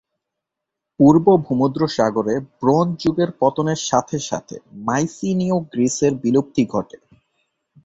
পূর্ব ভূমধ্যসাগরে ব্রোঞ্জ যুগের পতনের সাথে সাথে মাইসিনীয় গ্রিসের বিলুপ্তি ঘটে।